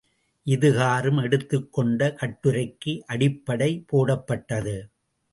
இதுகாறும், எடுத்துக் கொண்ட கட்டுரைக்கு அடிப்படை போடப்பட்டது.